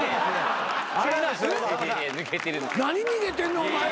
何逃げてんねんお前ら。